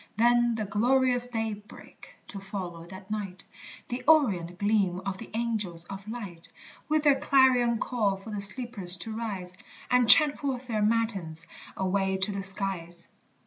Then the glorious daybreak, to follow that night, The orient gleam of the angels of light, With their clarion call for the sleepers to rise. And chant forth their matins, away to the skies.